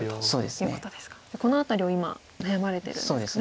この辺りを今悩まれてるんですかね。